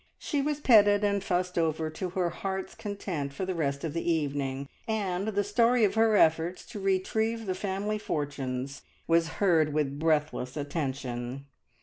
She was petted and fussed over to her heart's content for the rest of the evening, and the story of her various efforts to retrieve the family fortunes was heard with breathless attention.